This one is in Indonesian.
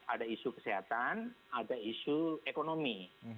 ada isu kesehatan ada isu ekonomi